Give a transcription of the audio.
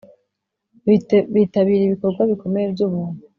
bitabira ibikorwa bikomeye byubuntu